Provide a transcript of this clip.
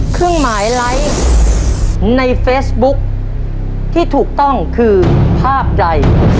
เครื่องหมายไลค์ในเฟซบุ๊คที่ถูกต้องคือภาพใด